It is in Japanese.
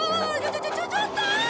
ちょちょちょちょっと！